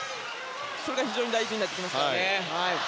それが非常に大事になってきます。